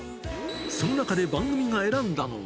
その中で番組が選んだのは。